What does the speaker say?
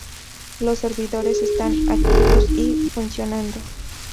Los servidores están activos y funcionando.